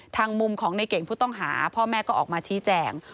ทางมุมของในเก่งผู้ต้องหาพ่อแม่ก็ออกมาชี้แจง